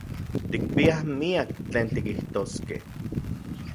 Tikpiaj miak tlen tikijtoskej.